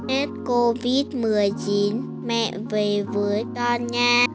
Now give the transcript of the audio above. hết covid một mươi chín mẹ về với to nha